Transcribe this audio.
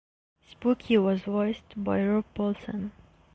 Spooky was voiced by Rob Paulsen.